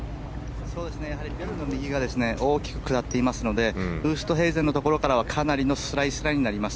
やはり右が大きく下っていますのでウーストヘイゼンのところからはかなりのスライスラインになります。